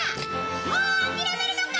もう諦めるのか！